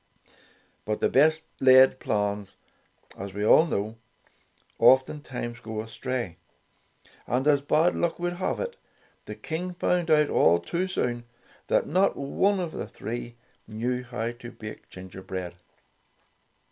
But the best laid plans, as we all know, oftentimes go astray. And as bad luck would have it, the King found out all too soon, that not one of the three knew how to bake gingerbread.